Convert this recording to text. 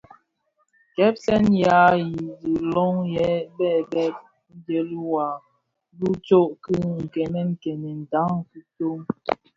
Gèpsèn ya i dhi loň lè bè dheb ndhèli wa bi tsom ki kènènkenen ndhan dhikō.